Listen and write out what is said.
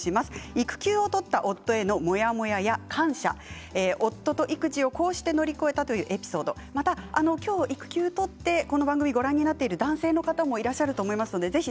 育休を取った夫へのモヤモヤや感謝、夫と育児をこうして乗り越えたというエピソードまた、今日育休を取ってこの番組をご覧になっている男性もいらっしゃると思います。